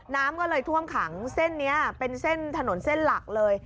น้ำก็เลยท่วมขังเส้นนี้เป็นเส้นถนนเส้นหลักเลย